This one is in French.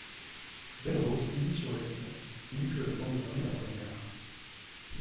Belle-Rose fondit sur l'espion, qui n'eut que le temps de s'armer d'un poignard.